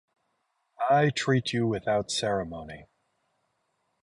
I treat you without ceremony.